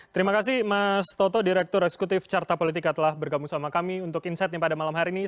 terima kasih mas toto direktur eksekutif carta politika telah bergabung sama kami untuk insightnya pada malam hari ini